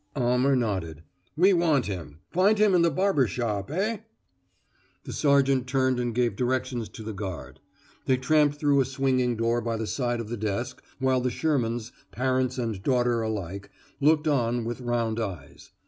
Almer nodded. "We want him. Find him in the barber shop, eh?" The sergeant turned and gave directions to the guard. They tramped through a swinging door by the side of the desk while the Shermans, parents and daughter alike, looked on, with round eyes.